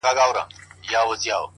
له خپل ځان سره ږغيږي،